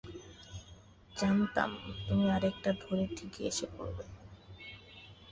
জানতাম তুমি আরেকটা ধরে ঠিকই এসে পড়বে!